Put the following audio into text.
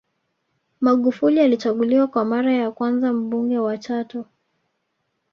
Magufuli alichaguliwa kwa mara ya kwanza Mbunge wa Chato